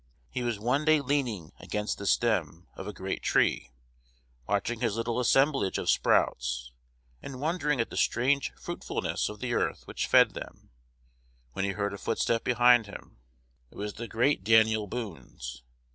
He was one day leaning against the stem of a great tree, watching his little assemblage of sprouts, and wondering at the strange fruitfulness of the earth which fed them, when he heard a footstep behind him. It was the great Daniel Boone's.